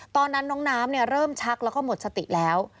ตอนนั้นน้องน้ำเริ่มชักแล้วก็หมดสติแล้ว